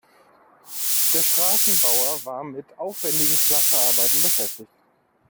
Der Straßenbauer war mit aufwendigen Pflasterarbeiten beschäftigt.